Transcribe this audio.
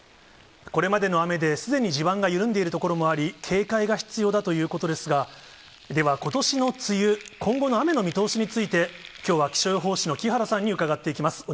これまでの雨ですでに地盤が緩んでいる所もあり、警戒が必要だということですが、では、ことしの梅雨、今後の雨の見通しについて、きょうは気象予報士の木原さんに伺っていきます。